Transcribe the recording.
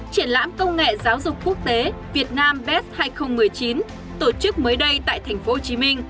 triển lãm công nghệ giáo dục quốc tế việt nam beet hai nghìn một mươi chín tổ chức mới đây tại tp hcm